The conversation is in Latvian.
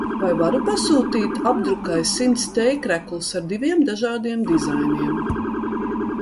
Vai varu pasūtīt apdrukai simts t-kreklus ar diviem dažādiem dizainiem.